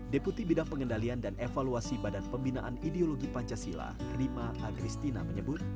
deputi bidang pengendalian dan evaluasi badan pembinaan ideologi pancasila rima agristina menyebut